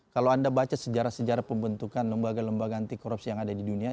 kalau anda baca sejarah sejarah pembentukan lembaga lembaga anti korupsi yang ada di dunia